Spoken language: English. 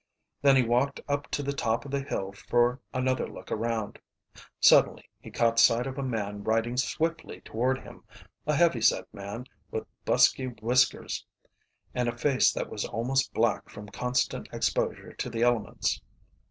Then he walked up to the top of the hill for another look around. Suddenly he caught sight of a man riding swiftly toward him a heavy set man, with busky whiskers and a face that was almost black from constant exposure to the elements.